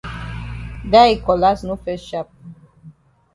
Dat yi cutlass no fes sharp.